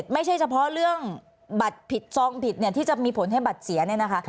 ไม่ใช่เฉพาะเรื่องบัตรผิดซองผิดที่จะมีผลให้บัตรเสียเนี่ยนะคะ